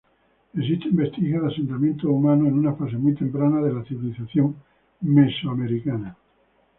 Existen vestigios de asentamientos humanos en una fase muy temprana de la civilización mesoamericana.